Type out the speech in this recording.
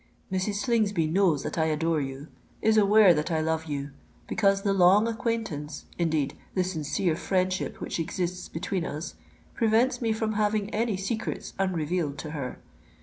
"Mrs. Slingsby knows that I adore you—is aware that I love you: because the long acquaintance—indeed the sincere friendship which exists between us—prevents me from having any secrets unrevealed to her.